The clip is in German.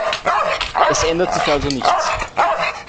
Es ändert sich also nichts.